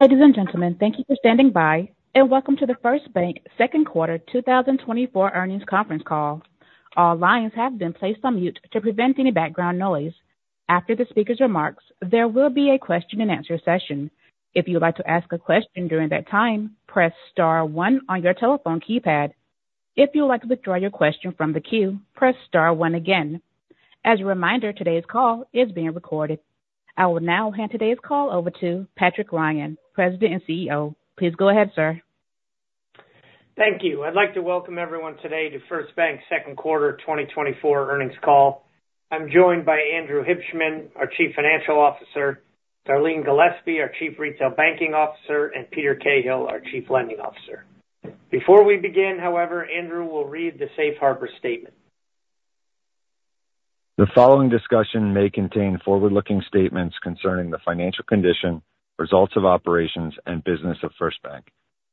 Ladies and gentlemen, thank you for standing by, and welcome to the First Bank second quarter 2024 earnings conference call. All lines have been placed on mute to prevent any background noise. After the speaker's remarks, there will be a question-and-answer session. If you would like to ask a question during that time, press star one on your telephone keypad. If you would like to withdraw your question from the queue, press star one again. As a reminder, today's call is being recorded. I will now hand today's call over to Patrick Ryan, President and CEO. Please go ahead, sir. Thank you. I'd like to welcome everyone today to First Bank Second Quarter 2024 earnings call. I'm joined by Andrew Hibshman, our Chief Financial Officer, Darleen Gillespie, our Chief Retail Banking Officer, and Peter Cahill, our Chief Lending Officer. Before we begin, however, Andrew will read the Safe Harbor Statement. The following discussion may contain forward-looking statements concerning the financial condition, results of operations, and business of First Bank.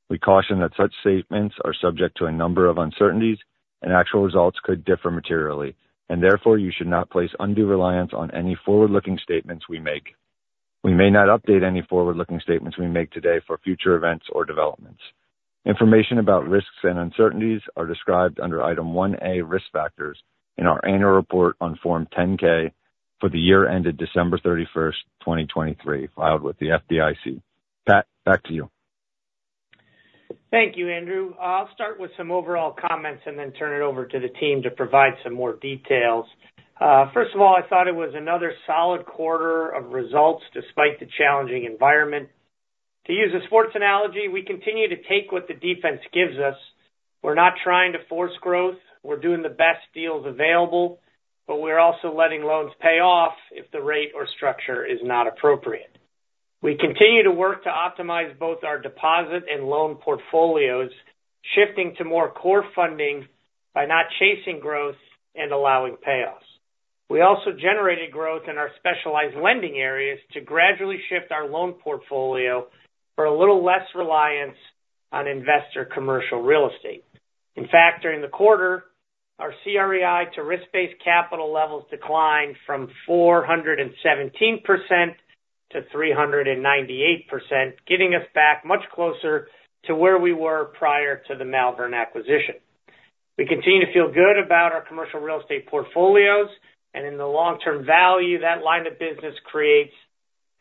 We caution that such statements are subject to a number of uncertainties, and actual results could differ materially, and therefore you should not place undue reliance on any forward-looking statements we make. We may not update any forward-looking statements we make today for future events or developments. Information about risks and uncertainties are described under Item 1A, Risk Factors, in our annual report on Form 10-K for the year ended December 31, 2023, filed with the FDIC. Pat, back to you. Thank you, Andrew. I'll start with some overall comments and then turn it over to the team to provide some more details. First of all, I thought it was another solid quarter of results despite the challenging environment. To use a sports analogy, we continue to take what the defense gives us. We're not trying to force growth. We're doing the best deals available, but we're also letting loans pay off if the rate or structure is not appropriate. We continue to work to optimize both our deposit and loan portfolios, shifting to more core funding by not chasing growth and allowing payoffs. We also generated growth in our specialized lending areas to gradually shift our loan portfolio for a little less reliance on investor commercial real estate. In fact, during the quarter, our CREI to risk-based capital levels declined from 417% to 398%, getting us back much closer to where we were prior to the Malvern acquisition. We continue to feel good about our commercial real estate portfolios, and in the long-term value that line of business creates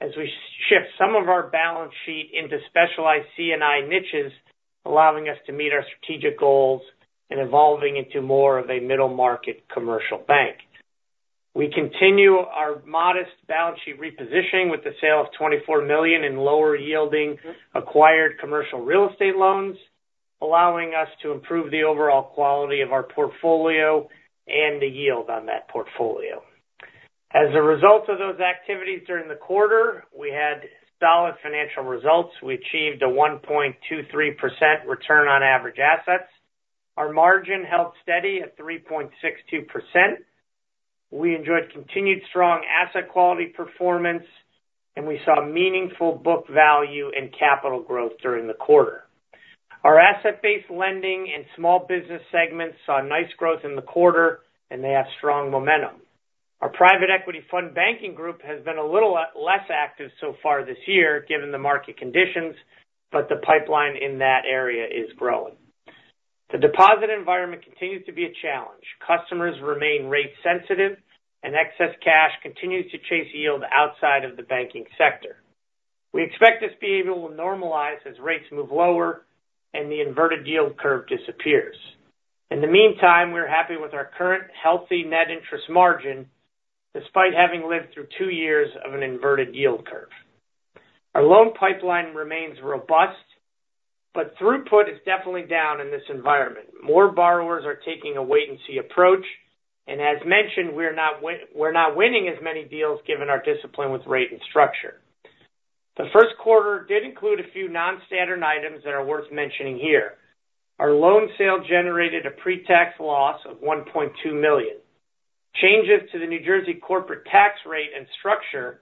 as we shift some of our balance sheet into specialized C&I niches, allowing us to meet our strategic goals and evolving into more of a middle-market commercial bank. We continue our modest balance sheet repositioning with the sale of $24 million in lower-yielding acquired commercial real estate loans, allowing us to improve the overall quality of our portfolio and the yield on that portfolio. As a result of those activities during the quarter, we had solid financial results. We achieved a 1.23% return on average assets. Our margin held steady at 3.62%. We enjoyed continued strong asset quality performance, and we saw meaningful book value and capital growth during the quarter. Our asset-based lending and small business segments saw nice growth in the quarter, and they have strong momentum. Our private equity fund banking group has been a little less active so far this year given the market conditions, but the pipeline in that area is growing. The deposit environment continues to be a challenge. Customers remain rate-sensitive, and excess cash continues to chase yield outside of the banking sector. We expect this behavior will normalize as rates move lower and the inverted yield curve disappears. In the meantime, we're happy with our current healthy net interest margin despite having lived through two years of an inverted yield curve. Our loan pipeline remains robust, but throughput is definitely down in this environment. More borrowers are taking a wait-and-see approach, and as mentioned, we're not winning as many deals given our discipline with rate and structure. The first quarter did include a few non-standard items that are worth mentioning here. Our loan sale generated a pre-tax loss of $1.2 million. Changes to the New Jersey corporate tax rate and structure,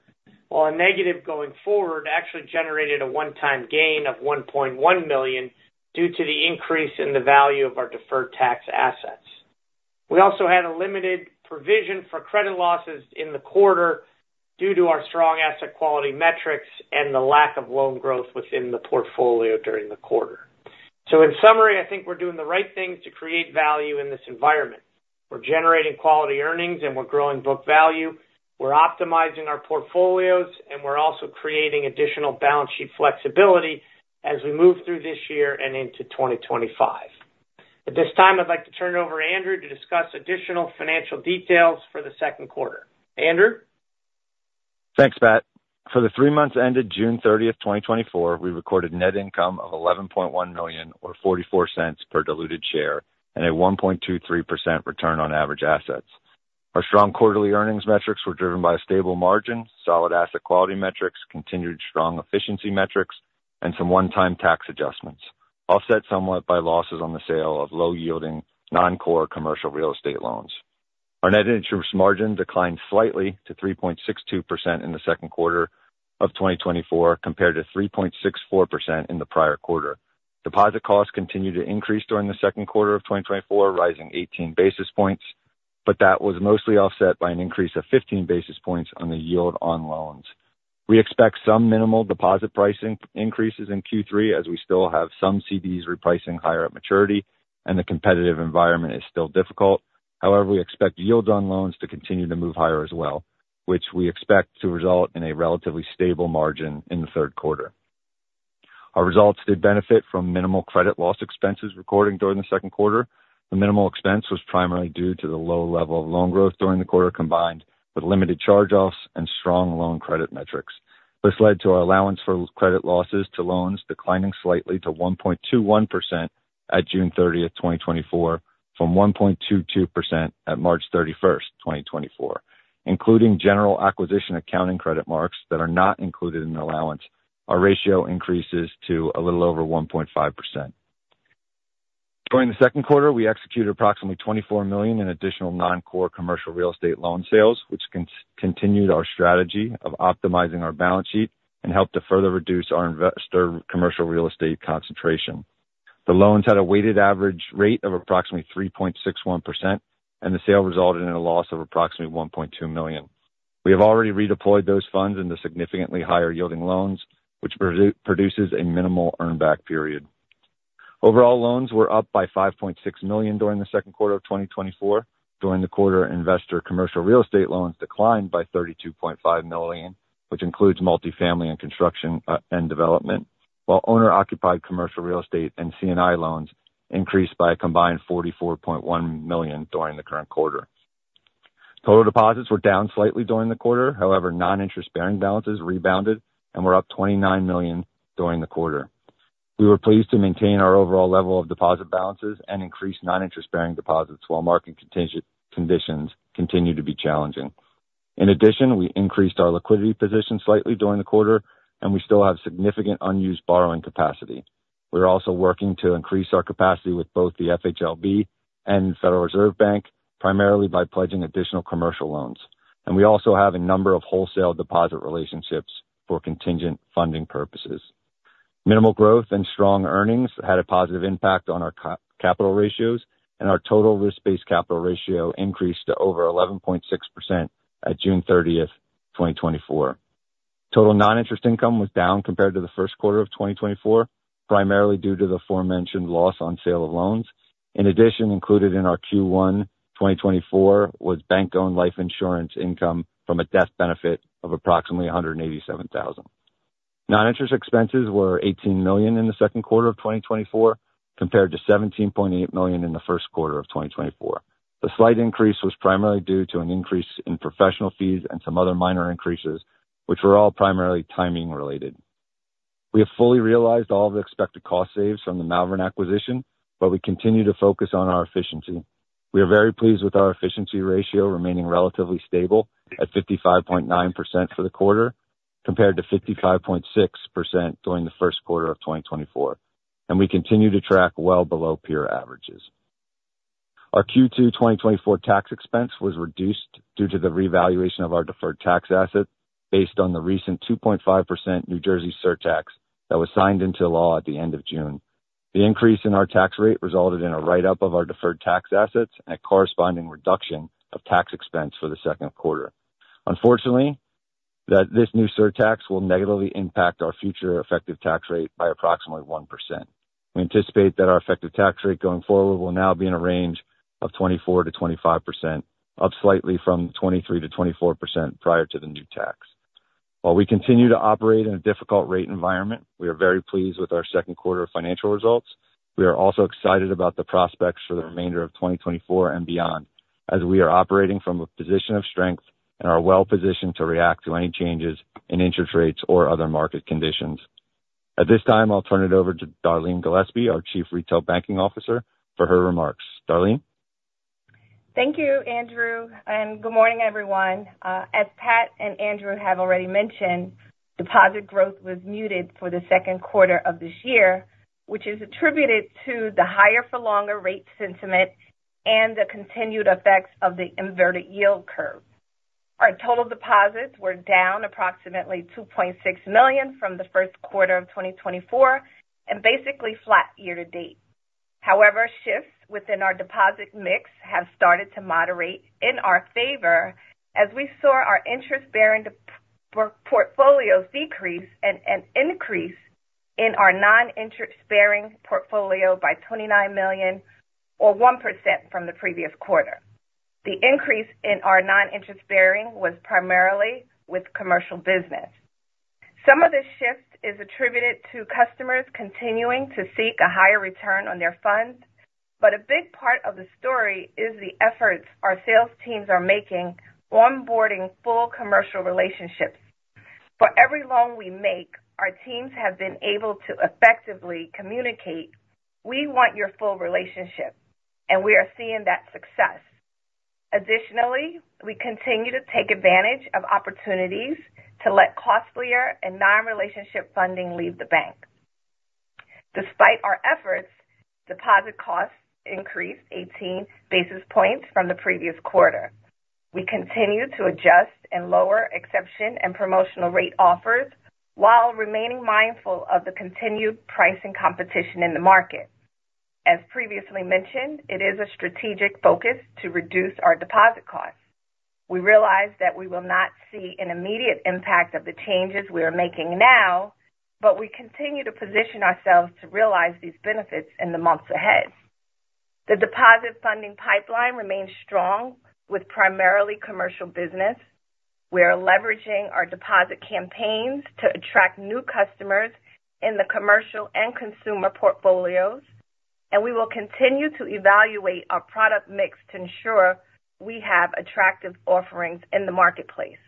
while a negative going forward, actually generated a one-time gain of $1.1 million due to the increase in the value of our deferred tax assets. We also had a limited provision for credit losses in the quarter due to our strong asset quality metrics and the lack of loan growth within the portfolio during the quarter. So, in summary, I think we're doing the right things to create value in this environment. We're generating quality earnings, and we're growing book value. We're optimizing our portfolios, and we're also creating additional balance sheet flexibility as we move through this year and into 2025. At this time, I'd like to turn it over to Andrew to discuss additional financial details for the second quarter. Andrew? Thanks, Pat. For the three months ended June 30, 2024, we recorded net income of $11.1 million, or $0.44 per diluted share, and a 1.23% return on average assets. Our strong quarterly earnings metrics were driven by a stable margin, solid asset quality metrics, continued strong efficiency metrics, and some one-time tax adjustments, offset somewhat by losses on the sale of low-yielding non-core commercial real estate loans. Our net interest margin declined slightly to 3.62% in the second quarter of 2024 compared to 3.64% in the prior quarter. Deposit costs continued to increase during the second quarter of 2024, rising 18 basis points, but that was mostly offset by an increase of 15 basis points on the yield on loans. We expect some minimal deposit pricing increases in Q3 as we still have some CDs repricing higher at maturity, and the competitive environment is still difficult. However, we expect yields on loans to continue to move higher as well, which we expect to result in a relatively stable margin in the third quarter. Our results did benefit from minimal credit loss expenses recording during the second quarter. The minimal expense was primarily due to the low level of loan growth during the quarter combined with limited charge-offs and strong loan credit metrics. This led to our allowance for credit losses to loans declining slightly to 1.21% at June 30, 2024, from 1.22% at March 31, 2024. Including general acquisition accounting credit marks that are not included in the allowance, our ratio increases to a little over 1.5%. During the second quarter, we executed approximately $24 million in additional non-core commercial real estate loan sales, which continued our strategy of optimizing our balance sheet and helped to further reduce our investor commercial real estate concentration. The loans had a weighted average rate of approximately 3.61%, and the sale resulted in a loss of approximately $1.2 million. We have already redeployed those funds into significantly higher-yielding loans, which produces a minimal earnback period. Overall, loans were up by $5.6 million during the second quarter of 2024. During the quarter, investor commercial real estate loans declined by $32.5 million, which includes multifamily and construction and development, while owner-occupied commercial real estate and C&I loans increased by a combined $44.1 million during the current quarter. Total deposits were down slightly during the quarter. However, non-interest-bearing balances rebounded and were up $29 million during the quarter. We were pleased to maintain our overall level of deposit balances and increase non-interest-bearing deposits while market conditions continue to be challenging. In addition, we increased our liquidity position slightly during the quarter, and we still have significant unused borrowing capacity. We're also working to increase our capacity with both the FHLB and Federal Reserve Bank, primarily by pledging additional commercial loans. We also have a number of wholesale deposit relationships for contingent funding purposes. Minimal growth and strong earnings had a positive impact on our capital ratios, and our total risk-based capital ratio increased to over 11.6% at June 30, 2024. Total non-interest income was down compared to the first quarter of 2024, primarily due to the aforementioned loss on sale of loans. In addition, included in our Q1 2024 was bank-owned life insurance income from a death benefit of approximately $187,000. Non-interest expenses were $18 million in the second quarter of 2024 compared to $17.8 million in the first quarter of 2024. The slight increase was primarily due to an increase in professional fees and some other minor increases, which were all primarily timing-related. We have fully realized all the expected cost savings from the Malvern acquisition, but we continue to focus on our efficiency. We are very pleased with our efficiency ratio remaining relatively stable at 55.9% for the quarter compared to 55.6% during the first quarter of 2024, and we continue to track well below peer averages. Our Q2 2024 tax expense was reduced due to the revaluation of our deferred tax asset based on the recent 2.5% New Jersey surtax that was signed into law at the end of June. The increase in our tax rate resulted in a write-up of our deferred tax assets and a corresponding reduction of tax expense for the second quarter. Unfortunately, this new surtax will negatively impact our future effective tax rate by approximately 1%. We anticipate that our effective tax rate going forward will now be in a range of 24%-25%, up slightly from 23%-24% prior to the new tax. While we continue to operate in a difficult rate environment, we are very pleased with our second quarter financial results. We are also excited about the prospects for the remainder of 2024 and beyond as we are operating from a position of strength and are well positioned to react to any changes in interest rates or other market conditions. At this time, I'll turn it over to Darleen Gillespie, our Chief Retail Banking Officer, for her remarks. Darleen? Thank you, Andrew. Good morning, everyone. As Pat and Andrew have already mentioned, deposit growth was muted for the second quarter of this year, which is attributed to the higher-for-longer rate sentiment and the continued effects of the inverted yield curve. Our total deposits were down approximately $2.6 million from the first quarter of 2024 and basically flat year to date. However, shifts within our deposit mix have started to moderate in our favor as we saw our interest-bearing portfolios decrease and increase in our non-interest-bearing portfolio by $29 million, or 1% from the previous quarter. The increase in our non-interest-bearing was primarily with commercial business. Some of this shift is attributed to customers continuing to seek a higher return on their funds, but a big part of the story is the efforts our sales teams are making onboarding full commercial relationships. For every loan we make, our teams have been able to effectively communicate, "We want your full relationship," and we are seeing that success. Additionally, we continue to take advantage of opportunities to let costlier and non-relationship funding leave the bank. Despite our efforts, deposit costs increased 18 basis points from the previous quarter. We continue to adjust and lower exception and promotional rate offers while remaining mindful of the continued pricing competition in the market. As previously mentioned, it is a strategic focus to reduce our deposit costs. We realize that we will not see an immediate impact of the changes we are making now, but we continue to position ourselves to realize these benefits in the months ahead. The deposit funding pipeline remains strong with primarily commercial business. We are leveraging our deposit campaigns to attract new customers in the commercial and consumer portfolios, and we will continue to evaluate our product mix to ensure we have attractive offerings in the marketplace.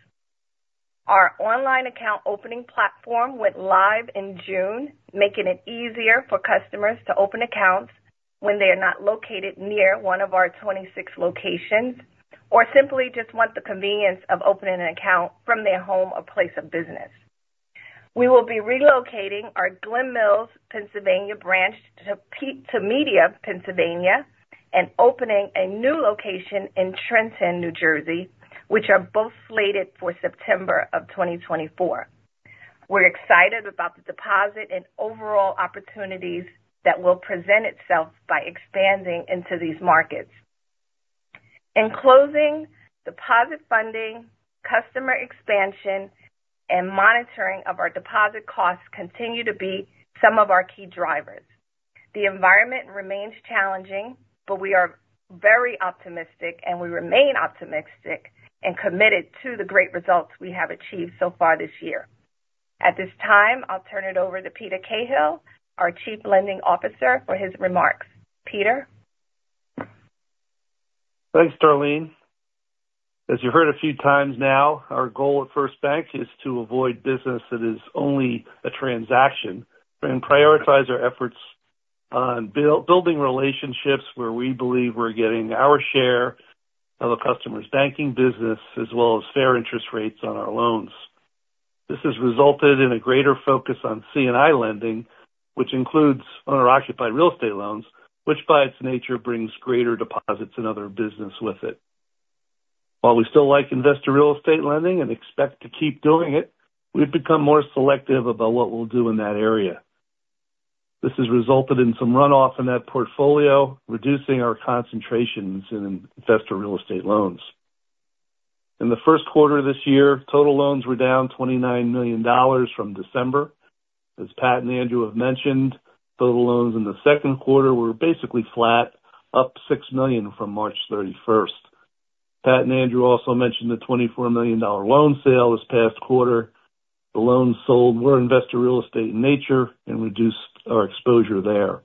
Our online account opening platform went live in June, making it easier for customers to open accounts when they are not located near one of our 26 locations or simply just want the convenience of opening an account from their home or place of business. We will be relocating our Glen Mills, Pennsylvania branch to Media, Pennsylvania, and opening a new location in Trenton, New Jersey, which are both slated for September of 2024. We're excited about the deposit and overall opportunities that will present itself by expanding into these markets. In closing, deposit funding, customer expansion, and monitoring of our deposit costs continue to be some of our key drivers. The environment remains challenging, but we are very optimistic, and we remain optimistic and committed to the great results we have achieved so far this year. At this time, I'll turn it over to Peter Cahill, our Chief Lending Officer, for his remarks. Peter? Thanks, Darleen. As you've heard a few times now, our goal at First Bank is to avoid business that is only a transaction and prioritize our efforts on building relationships where we believe we're getting our share of a customer's banking business as well as fair interest rates on our loans. This has resulted in a greater focus on C&I lending, which includes owner-occupied real estate loans, which by its nature brings greater deposits and other business with it. While we still like investor real estate lending and expect to keep doing it, we've become more selective about what we'll do in that area. This has resulted in some runoff in that portfolio, reducing our concentrations in investor real estate loans. In the first quarter of this year, total loans were down $29 million from December. As Pat and Andrew have mentioned, total loans in the second quarter were basically flat, up $6 million from March 31. Pat and Andrew also mentioned the $24 million loan sale this past quarter. The loans sold were investor real estate in nature and reduced our exposure there.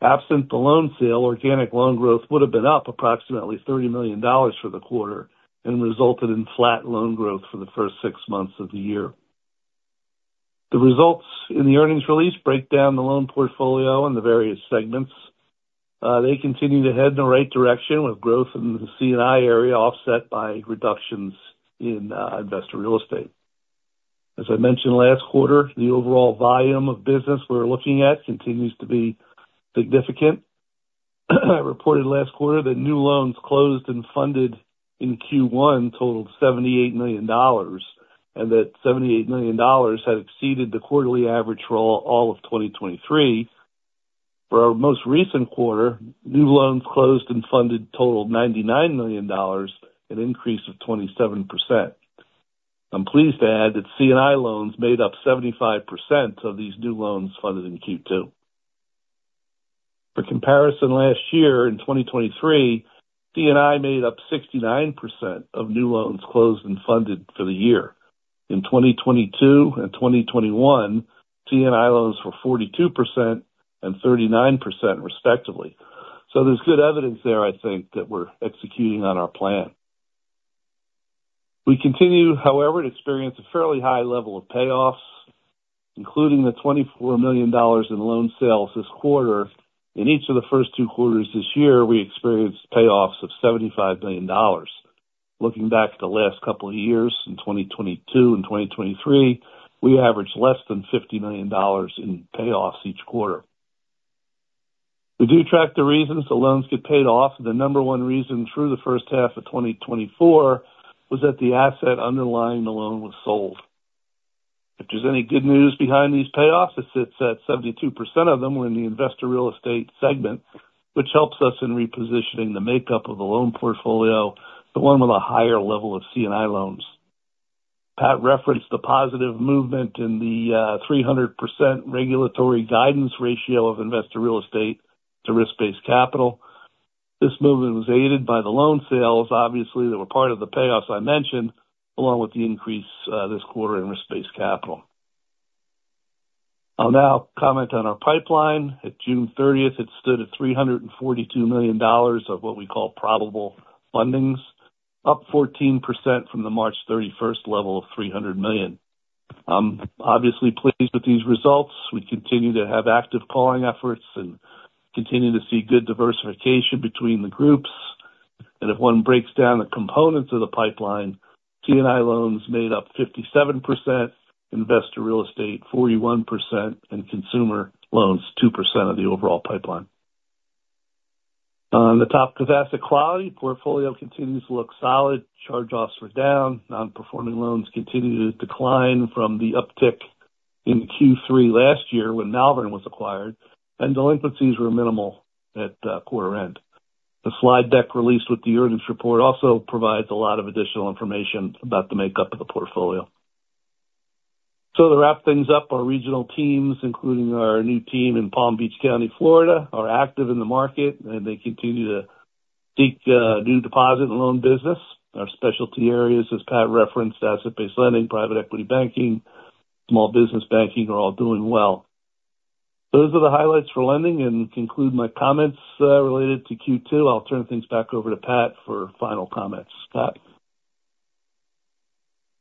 Absent the loan sale, organic loan growth would have been up approximately $30 million for the quarter and resulted in flat loan growth for the first six months of the year. The results in the earnings release break down the loan portfolio and the various segments. They continue to head in the right direction with growth in the C&I area offset by reductions in investor real estate. As I mentioned last quarter, the overall volume of business we're looking at continues to be significant. I reported last quarter that new loans closed and funded in Q1 totaled $78 million and that $78 million had exceeded the quarterly average for all of 2023. For our most recent quarter, new loans closed and funded totaled $99 million and increased of 27%. I'm pleased to add that C&I loans made up 75% of these new loans funded in Q2. For comparison, last year in 2023, C&I made up 69% of new loans closed and funded for the year. In 2022 and 2021, C&I loans were 42% and 39% respectively. So there's good evidence there, I think, that we're executing on our plan. We continue, however, to experience a fairly high level of payoffs, including the $24 million in loan sales this quarter. In each of the first two quarters this year, we experienced payoffs of $75 million. Looking back at the last couple of years, in 2022 and 2023, we averaged less than $50 million in payoffs each quarter. We do track the reasons the loans get paid off. The number one reason through the first half of 2024 was that the asset underlying the loan was sold. If there's any good news behind these payoffs, it sits at 72% of them in the investor real estate segment, which helps us in repositioning the makeup of the loan portfolio, the one with a higher level of C&I loans. Pat referenced the positive movement in the 300% regulatory guidance ratio of investor real estate to risk-based capital. This movement was aided by the loan sales, obviously, that were part of the payoffs I mentioned, along with the increase this quarter in risk-based capital. I'll now comment on our pipeline. At June 30, it stood at $342 million of what we call probable fundings, up 14% from the March 31 level of $300 million. I'm obviously pleased with these results. We continue to have active calling efforts and continue to see good diversification between the groups. And if one breaks down the components of the pipeline, C&I loans made up 57%, investor real estate 41%, and consumer loans 2% of the overall pipeline. On the topic of asset quality, portfolio continues to look solid. Charge-offs were down. Non-performing loans continue to decline from the uptick in Q3 last year when Malvern was acquired, and delinquencies were minimal at quarter end. The slide deck released with the earnings report also provides a lot of additional information about the makeup of the portfolio. So to wrap things up, our regional teams, including our new team in Palm Beach County, Florida, are active in the market, and they continue to seek new deposit and loan business. Our specialty areas, as Pat referenced, asset-based lending, private equity banking, small business banking, are all doing well. Those are the highlights for lending and conclude my comments related to Q2. I'll turn things back over to Pat for final comments. Pat?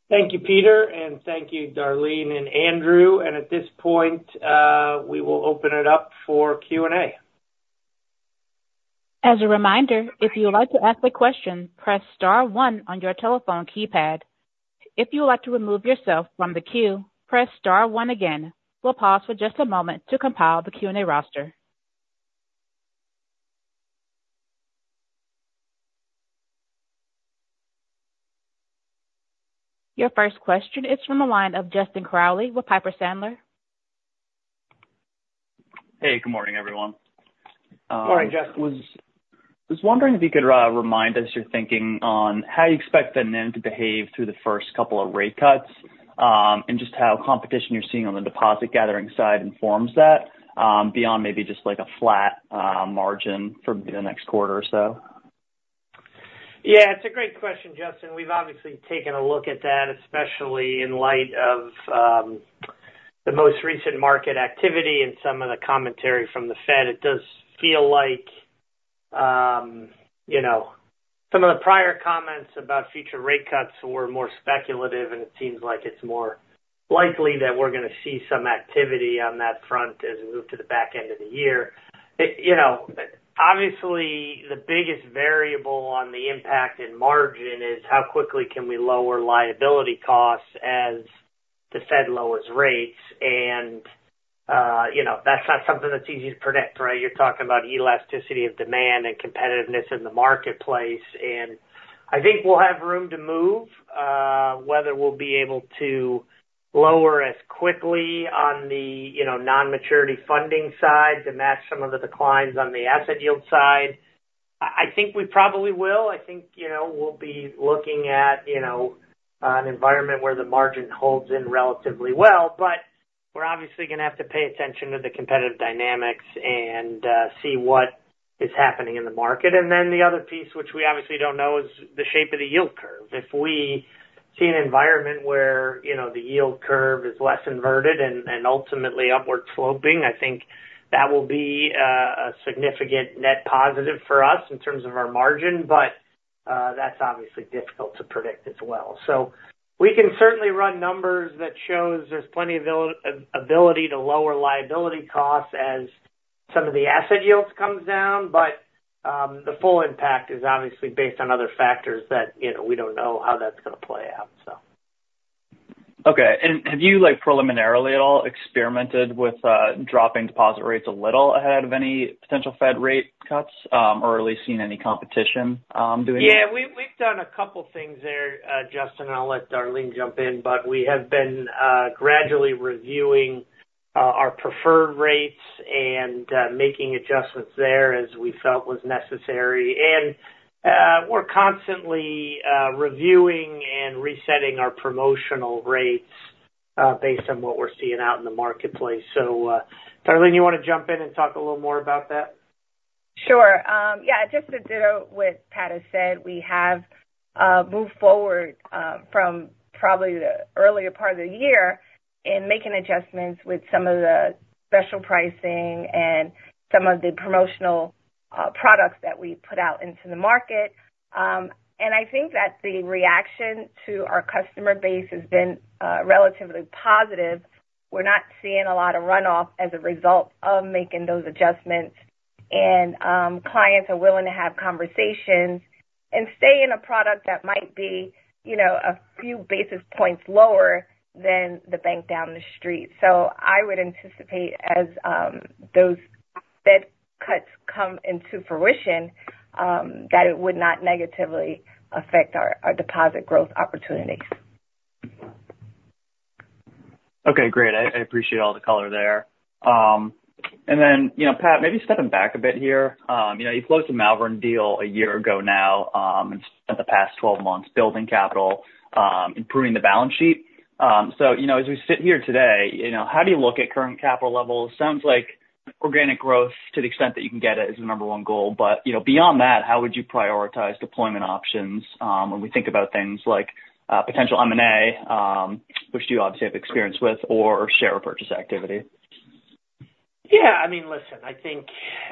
Thank you, Peter, and thank you, Darleen and Andrew. At this point, we will open it up for Q&A. As a reminder, if you would like to ask a question, press star one on your telephone keypad. If you would like to remove yourself from the queue, press star one again. We'll pause for just a moment to compile the Q&A roster. Your first question is from the line of Justin Crowley with Piper Sandler. Hey, good morning, everyone. Morning, Jeff. Just wondering if you could remind us your thinking on how you expect the NIM to behave through the first couple of rate cuts and just how competition you're seeing on the deposit gathering side informs that beyond maybe just like a flat margin for the next quarter or so? Yeah, it's a great question, Justin. We've obviously taken a look at that, especially in light of the most recent market activity and some of the commentary from the Fed. It does feel like some of the prior comments about future rate cuts were more speculative, and it seems like it's more likely that we're going to see some activity on that front as we move to the back end of the year. Obviously, the biggest variable on the impact and margin is how quickly can we lower liability costs as the Fed lowers rates. And that's not something that's easy to predict, right? You're talking about elasticity of demand and competitiveness in the marketplace. And I think we'll have room to move, whether we'll be able to lower as quickly on the non-maturity funding side to match some of the declines on the asset yield side. I think we probably will. I think we'll be looking at an environment where the margin holds in relatively well. But we're obviously going to have to pay attention to the competitive dynamics and see what is happening in the market. And then the other piece, which we obviously don't know, is the shape of the yield curve. If we see an environment where the yield curve is less inverted and ultimately upward sloping, I think that will be a significant net positive for us in terms of our margin. But that's obviously difficult to predict as well. So we can certainly run numbers that show there's plenty of ability to lower liability costs as some of the asset yields come down. But the full impact is obviously based on other factors that we don't know how that's going to play out, so. Okay. Have you preliminarily at all experimented with dropping deposit rates a little ahead of any potential Fed rate cuts or at least seen any competition doing that? Yeah, we've done a couple of things there, Justin, and I'll let Darleen jump in. But we have been gradually reviewing our preferred rates and making adjustments there as we felt was necessary. And we're constantly reviewing and resetting our promotional rates based on what we're seeing out in the marketplace. So Darleen, you want to jump in and talk a little more about that? Sure. Yeah, just to do with what Pat has said, we have moved forward from probably the earlier part of the year in making adjustments with some of the special pricing and some of the promotional products that we put out into the market. I think that the reaction to our customer base has been relatively positive. We're not seeing a lot of runoff as a result of making those adjustments. Clients are willing to have conversations and stay in a product that might be a few basis points lower than the bank down the street. I would anticipate as those Fed cuts come into fruition that it would not negatively affect our deposit growth opportunities. Okay, great. I appreciate all the color there. And then, Pat, maybe stepping back a bit here. You closed a Malvern deal a year ago now and spent the past 12 months building capital, improving the balance sheet. So as we sit here today, how do you look at current capital levels? Sounds like organic growth to the extent that you can get it is the number one goal. But beyond that, how would you prioritize deployment options when we think about things like potential M&A, which you obviously have experience with, or share purchase activity? Yeah. I mean, listen, I think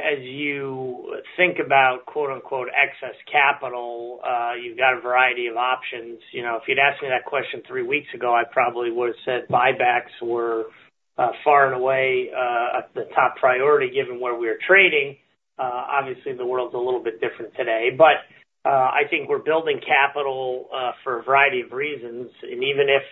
as you think about "excess capital," you've got a variety of options. If you'd asked me that question three weeks ago, I probably would have said buybacks were far and away the top priority given where we were trading. Obviously, the world's a little bit different today. But I think we're building capital for a variety of reasons. And even if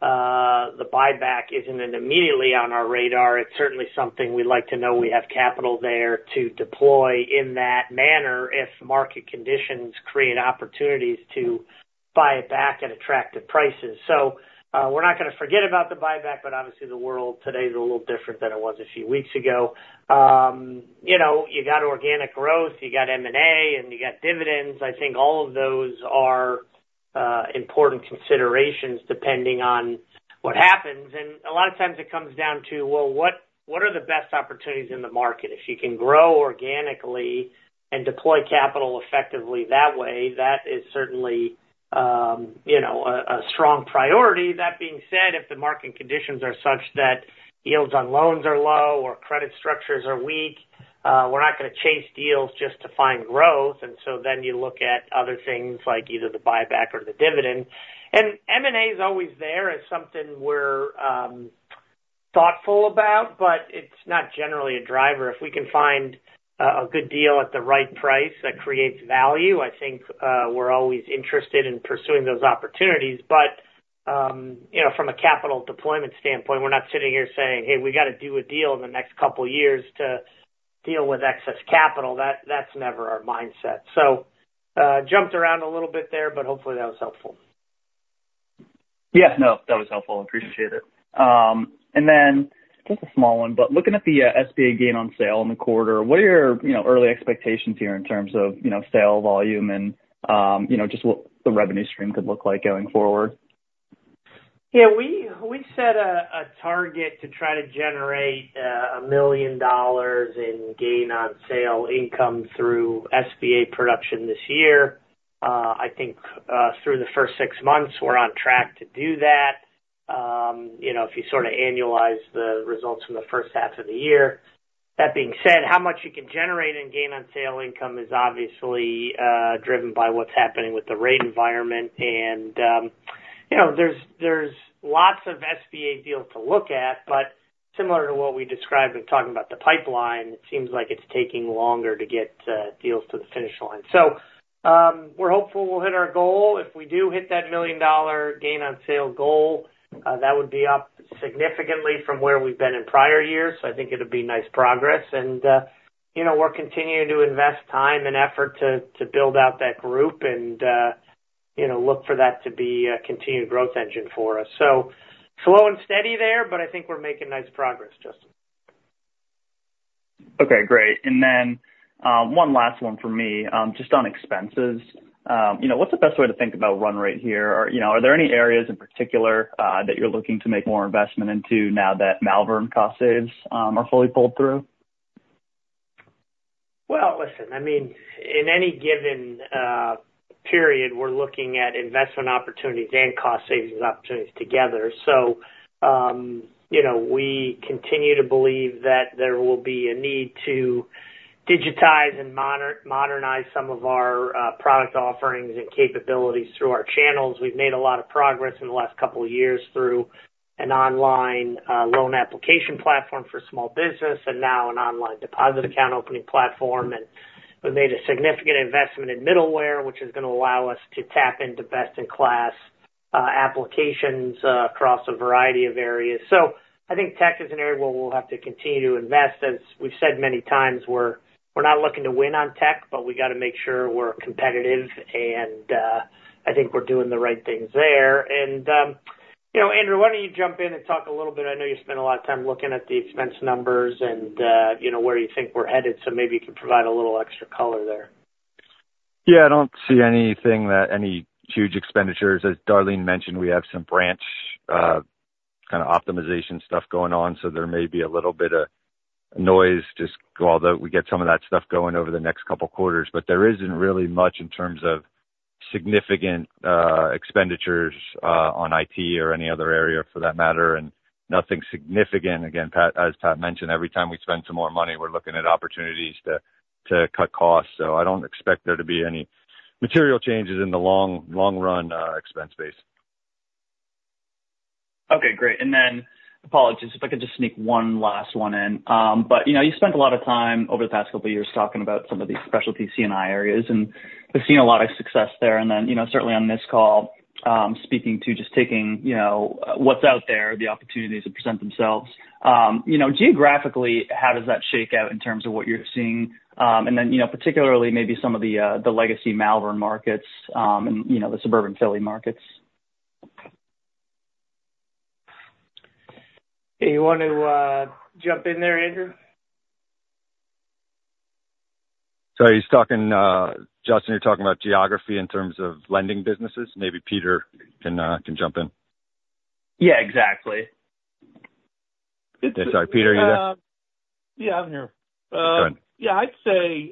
the buyback isn't immediately on our radar, it's certainly something we'd like to know we have capital there to deploy in that manner if market conditions create opportunities to buy it back at attractive prices. So we're not going to forget about the buyback, but obviously the world today is a little different than it was a few weeks ago. You got organic growth, you got M&A, and you got dividends. I think all of those are important considerations depending on what happens. A lot of times it comes down to, well, what are the best opportunities in the market? If you can grow organically and deploy capital effectively that way, that is certainly a strong priority. That being said, if the market conditions are such that yields on loans are low or credit structures are weak, we're not going to chase deals just to find growth. And so then you look at other things like either the buyback or the dividend. And M&A is always there as something we're thoughtful about, but it's not generally a driver. If we can find a good deal at the right price that creates value, I think we're always interested in pursuing those opportunities. From a capital deployment standpoint, we're not sitting here saying, "Hey, we got to do a deal in the next couple of years to deal with excess capital." That's never our mindset. So jumped around a little bit there, but hopefully that was helpful. Yeah, no, that was helpful. I appreciate it. And then just a small one, but looking at the SBA gain on sale in the quarter, what are your early expectations here in terms of sale volume and just what the revenue stream could look like going forward? Yeah, we set a target to try to generate $1 million in gain on sale income through SBA production this year. I think through the first six months, we're on track to do that. If you sort of annualize the results from the first half of the year. That being said, how much you can generate in gain on sale income is obviously driven by what's happening with the rate environment. And there's lots of SBA deals to look at, but similar to what we described in talking about the pipeline, it seems like it's taking longer to get deals to the finish line. So we're hopeful we'll hit our goal. If we do hit that $1 million gain on sale goal, that would be up significantly from where we've been in prior years. So I think it would be nice progress. We're continuing to invest time and effort to build out that group and look for that to be a continued growth engine for us. Slow and steady there, but I think we're making nice progress, Justin. Okay, great. Then one last one for me, just on expenses. What's the best way to think about run rate here? Are there any areas in particular that you're looking to make more investment into now that Malvern cost saves are fully pulled through? Well, listen, I mean, in any given period, we're looking at investment opportunities and cost savings opportunities together. So we continue to believe that there will be a need to digitize and modernize some of our product offerings and capabilities through our channels. We've made a lot of progress in the last couple of years through an online loan application platform for small business and now an online deposit account opening platform. And we've made a significant investment in middleware, which is going to allow us to tap into best-in-class applications across a variety of areas. So I think tech is an area where we'll have to continue to invest. As we've said many times, we're not looking to win on tech, but we got to make sure we're competitive. And I think we're doing the right things there. Andrew, why don't you jump in and talk a little bit? I know you spent a lot of time looking at the expense numbers and where you think we're headed. Maybe you can provide a little extra color there. Yeah, I don't see anything that any huge expenditures. As Darleen mentioned, we have some branch kind of optimization stuff going on. So there may be a little bit of noise just although we get some of that stuff going over the next couple of quarters. But there isn't really much in terms of significant expenditures on IT or any other area for that matter. And nothing significant. Again, as Pat mentioned, every time we spend some more money, we're looking at opportunities to cut costs. So I don't expect there to be any material changes in the long-run expense base. Okay, great. And then apologies if I could just sneak one last one in. But you spent a lot of time over the past couple of years talking about some of these specialty C&I areas and have seen a lot of success there. And then certainly on this call, speaking to just taking what's out there, the opportunities to present themselves. Geographically, how does that shake out in terms of what you're seeing? And then particularly maybe some of the legacy Malvern markets and the suburban Philly markets. Hey, you want to jump in there, Andrew? He's talking, Justin. You're talking about geography in terms of lending businesses. Maybe Peter can jump in. Yeah, exactly. Sorry, Peter, are you there? Yeah, I'm here. Go ahead. Yeah, I'd say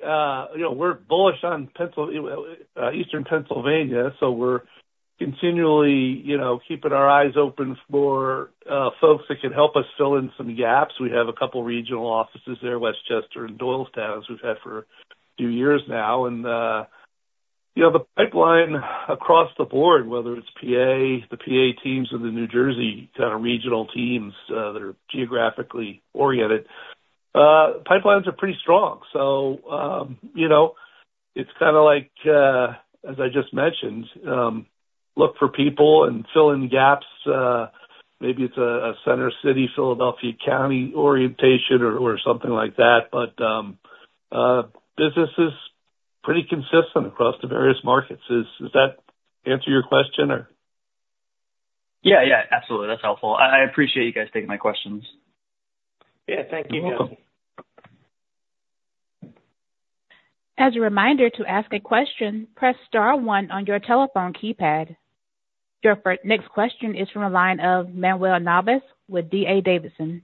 we're bullish on Eastern Pennsylvania. So we're continually keeping our eyes open for folks that can help us fill in some gaps. We have a couple of regional offices there, West Chester and Doylestown, as we've had for a few years now. And the pipeline across the board, whether it's PA, the PA teams or the New Jersey kind of regional teams that are geographically oriented, pipelines are pretty strong. So it's kind of like, as I just mentioned, look for people and fill in gaps. Maybe it's a Center City, Philadelphia County orientation or something like that. But business is pretty consistent across the various markets. Does that answer your question or? Yeah, yeah, absolutely. That's helpful. I appreciate you guys taking my questions. Yeah, thank you. You're welcome. As a reminder to ask a question, press star one on your telephone keypad. Your next question is from a line of Manuel Navas with D.A. Davidson.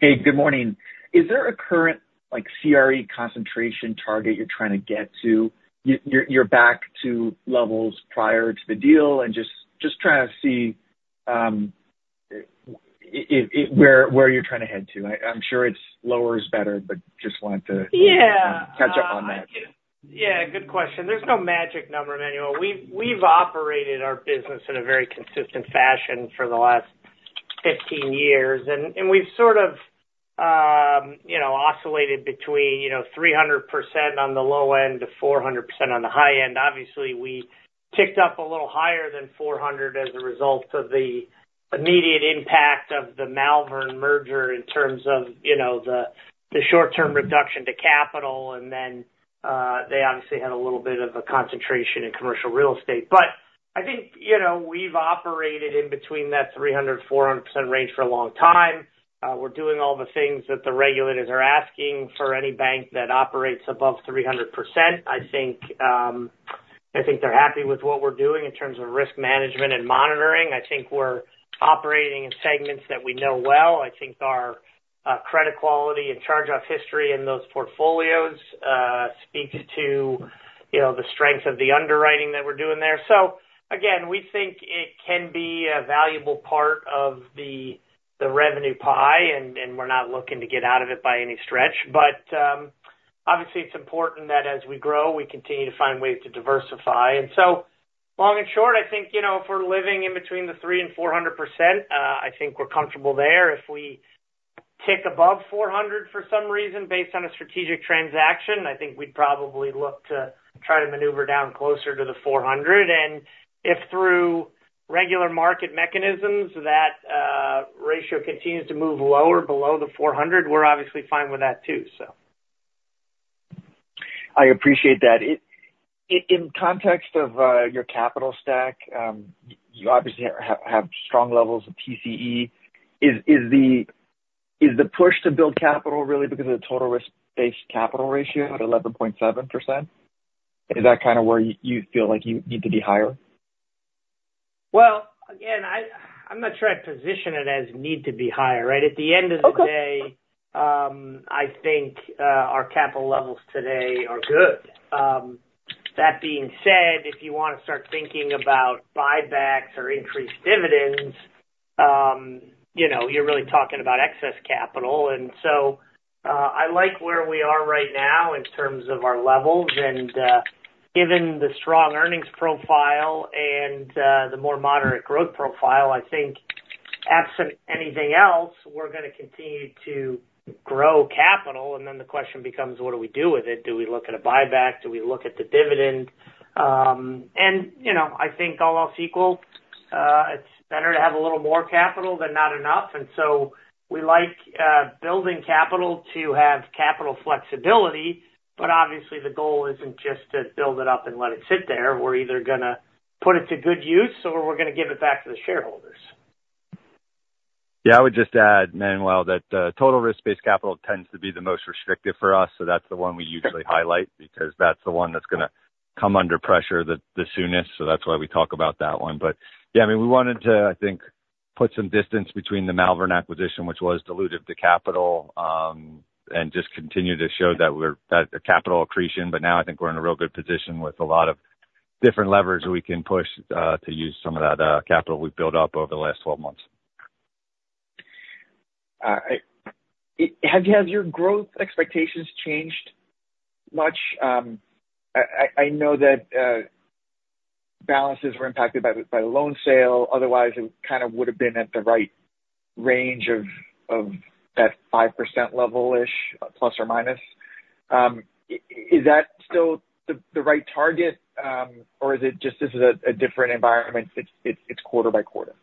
Hey, good morning. Is there a current CRE concentration target you're trying to get to? You're back to levels prior to the deal and just trying to see where you're trying to head to. I'm sure it's lower is better, but just wanted to catch up on that. Yeah, good question. There's no magic number, Manuel. We've operated our business in a very consistent fashion for the last 15 years. And we've sort of oscillated between 300% on the low end to 400% on the high end. Obviously, we ticked up a little higher than 400% as a result of the immediate impact of the Malvern merger in terms of the short-term reduction to capital. And then they obviously had a little bit of a concentration in commercial real estate. But I think we've operated in between that 300%-400% range for a long time. We're doing all the things that the regulators are asking for any bank that operates above 300%. I think they're happy with what we're doing in terms of risk management and monitoring. I think we're operating in segments that we know well. I think our credit quality and charge-off history in those portfolios speaks to the strength of the underwriting that we're doing there. So again, we think it can be a valuable part of the revenue pie, and we're not looking to get out of it by any stretch. But obviously, it's important that as we grow, we continue to find ways to diversify. And so long and short, I think if we're living in between the 3 and 400%, I think we're comfortable there. If we tick above 400 for some reason based on a strategic transaction, I think we'd probably look to try to maneuver down closer to the 400. And if through regular market mechanisms that ratio continues to move lower below the 400, we're obviously fine with that too, so. I appreciate that. In context of your capital stack, you obviously have strong levels of TCE. Is the push to build capital really because of the total risk-based capital ratio at 11.7%? Is that kind of where you feel like you need to be higher? Well, again, I'm not sure I position it as need to be higher, right? At the end of the day, I think our capital levels today are good. That being said, if you want to start thinking about buybacks or increased dividends, you're really talking about excess capital. And so I like where we are right now in terms of our levels. And given the strong earnings profile and the more moderate growth profile, I think absent anything else, we're going to continue to grow capital. And then the question becomes, what do we do with it? Do we look at a buyback? Do we look at the dividend? And I think all else equal, it's better to have a little more capital than not enough. And so we like building capital to have capital flexibility. Obviously, the goal isn't just to build it up and let it sit there. We're either going to put it to good use or we're going to give it back to the shareholders. Yeah, I would just add, Manuel, that total risk-based capital tends to be the most restrictive for us. So that's the one we usually highlight because that's the one that's going to come under pressure the soonest. So that's why we talk about that one. But yeah, I mean, we wanted to, I think, put some distance between the Malvern acquisition, which was diluted the capital, and just continue to show that we're at a capital accretion. But now I think we're in a real good position with a lot of different levers we can push to use some of that capital we've built up over the last 12 months. Have your growth expectations changed much? I know that balances were impacted by the loan sale. Otherwise, it kind of would have been at the right range of that 5% level-ish, plus or minus. Is that still the right target, or is it just this is a different environment? It's quarter by quarter.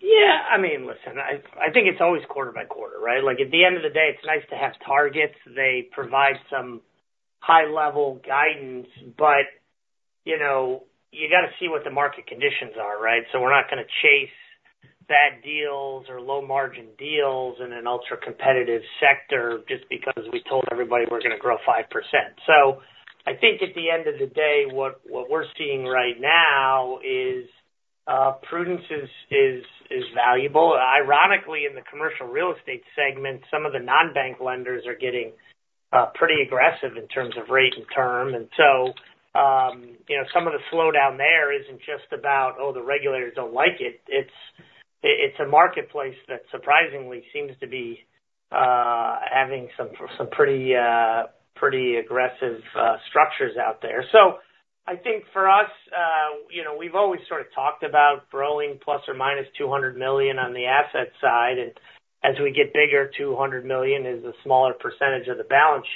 Yeah, I mean, listen, I think it's always quarter by quarter, right? At the end of the day, it's nice to have targets. They provide some high-level guidance, but you got to see what the market conditions are, right? So we're not going to chase bad deals or low-margin deals in an ultra-competitive sector just because we told everybody we're going to grow 5%. So I think at the end of the day, what we're seeing right now is prudence is valuable. Ironically, in the commercial real estate segment, some of the non-bank lenders are getting pretty aggressive in terms of rate and term. And so some of the slowdown there isn't just about, "Oh, the regulators don't like it." It's a marketplace that surprisingly seems to be having some pretty aggressive structures out there. So I think for us, we've always sort of talked about growing ±$200 million on the asset side. And as we get bigger, $200 million is the smaller percentage of the balance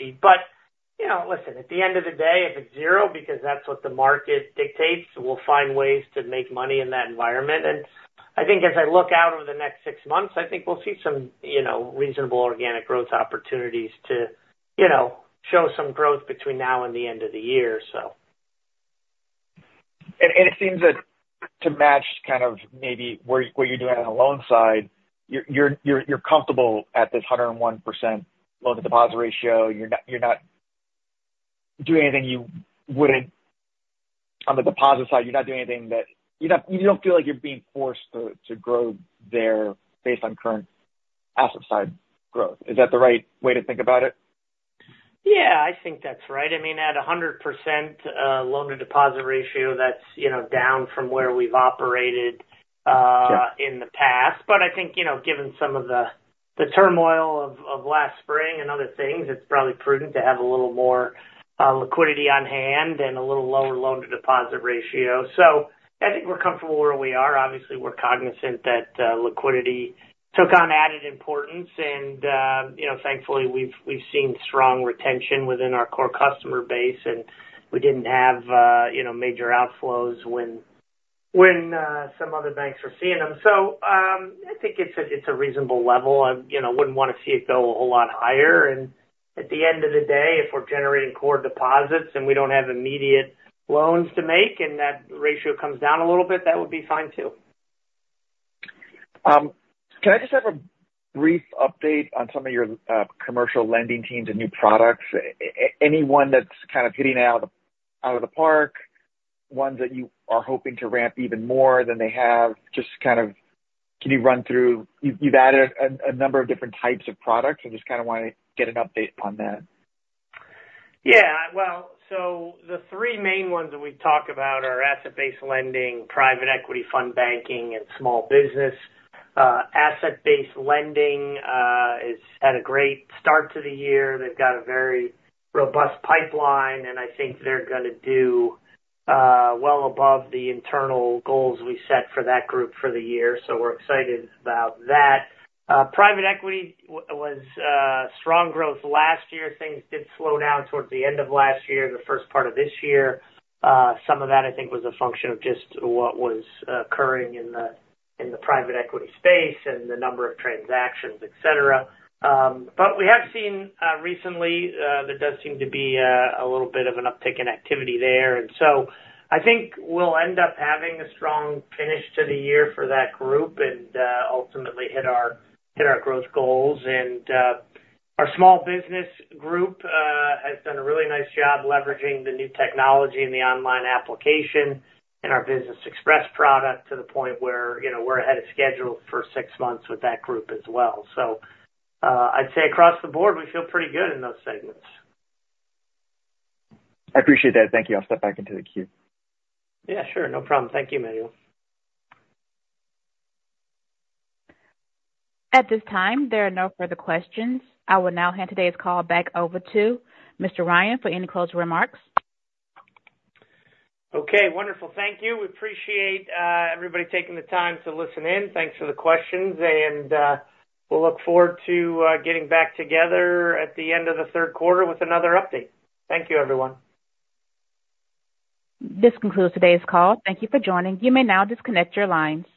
sheet. But listen, at the end of the day, if it's zero, because that's what the market dictates, we'll find ways to make money in that environment. And I think as I look out over the next six months, I think we'll see some reasonable organic growth opportunities to show some growth between now and the end of the year, so. It seems that to match kind of maybe what you're doing on the loan side, you're comfortable at this 101% loan-to-deposit ratio. You're not doing anything you wouldn't on the deposit side. You're not doing anything that you don't feel like you're being forced to grow there based on current asset side growth. Is that the right way to think about it? Yeah, I think that's right. I mean, at 100% loan-to-deposit ratio, that's down from where we've operated in the past. But I think given some of the turmoil of last spring and other things, it's probably prudent to have a little more liquidity on hand and a little lower loan-to-deposit ratio. So I think we're comfortable where we are. Obviously, we're cognizant that liquidity took on added importance. And thankfully, we've seen strong retention within our core customer base. And we didn't have major outflows when some other banks were seeing them. So I think it's a reasonable level. I wouldn't want to see it go a whole lot higher. And at the end of the day, if we're generating core deposits and we don't have immediate loans to make and that ratio comes down a little bit, that would be fine too. Can I just have a brief update on some of your commercial lending teams and new products? Anyone that's kind of hitting out of the park, ones that you are hoping to ramp even more than they have, just kind of can you run through? You've added a number of different types of products. I just kind of want to get an update on that. Yeah. Well, so the three main ones that we talk about are asset-based lending, private equity fund banking, and small business. Asset-based lending has had a great start to the year. They've got a very robust pipeline. And I think they're going to do well above the internal goals we set for that group for the year. So we're excited about that. Private equity was strong growth last year. Things did slow down towards the end of last year, the first part of this year. Some of that, I think, was a function of just what was occurring in the private equity space and the number of transactions, etc. But we have seen recently there does seem to be a little bit of an uptick in activity there. And so I think we'll end up having a strong finish to the year for that group and ultimately hit our growth goals. And our small business group has done a really nice job leveraging the new technology and the online application and our Business Express product to the point where we're ahead of schedule for six months with that group as well. So I'd say across the board, we feel pretty good in those segments. I appreciate that. Thank you. I'll step back into the queue. Yeah, sure. No problem. Thank you, Manuel. At this time, there are no further questions. I will now hand today's call back over to Mr. Ryan for any closing remarks. Okay. Wonderful. Thank you. We appreciate everybody taking the time to listen in. Thanks for the questions. And we'll look forward to getting back together at the end of the third quarter with another update. Thank you, everyone. This concludes today's call. Thank you for joining. You may now disconnect your lines.